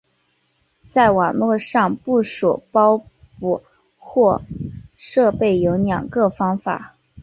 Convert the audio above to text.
在网络上部署包捕获设备有两个方法。